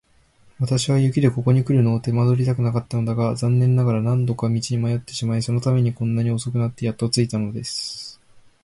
私は雪でここにくるのを手間取りたくなかったのだが、残念ながら何度か道に迷ってしまい、そのためにこんなに遅くなってやっと着いたのです。